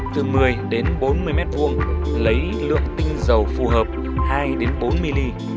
từ một mươi đến bốn mươi m hai lấy lượng tinh dầu phù hợp hai đến bốn ml